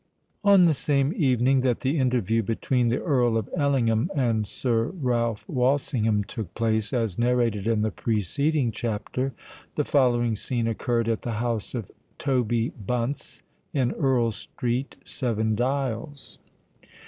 On the same evening that the interview between the Earl of Ellingham and Sir Ralph Walsingham took place, as narrated in the preceding chapter, the following scene occurred at the house of Toby Bunce in Earl Street, Seven Dials.